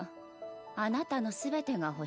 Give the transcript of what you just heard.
「あなたの全てが欲しい」？